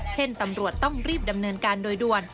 เช่นตำรวจต้องรีบดำเนินการโดยด่วน